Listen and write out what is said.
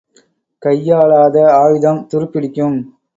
கையாளாத ஆயுதம் துருப்பிடிக்கும்.